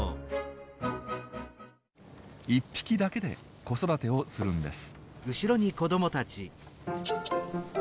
一匹だけで子育てをするんです。